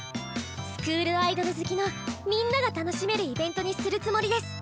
スクールアイドル好きのみんなが楽しめるイベントにするつもりです。